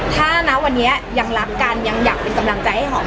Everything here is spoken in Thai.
ถ้านะวันนี้ยังรักกันยังอยากเป็นกำลังใจให้หอม